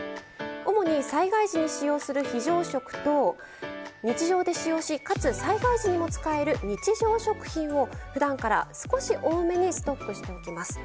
主に災害時に使用する非常食と日常で使用しかつ災害時にも使える日常食品をふだんから少し多めにストックしておきます。